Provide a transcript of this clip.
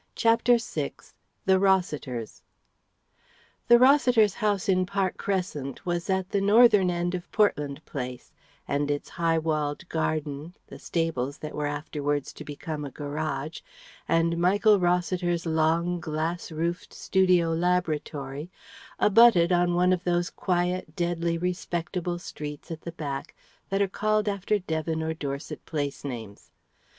CHAPTER VI THE ROSSITERS The Rossiters' house in Park Crescent was at the northern end of Portland Place, and its high walled garden the stables that were afterwards to become a garage and Michael Rossiter's long, glass roofed studio laboratory abutted on one of those quiet, deadly respectable streets at the back that are called after Devon or Dorset place names.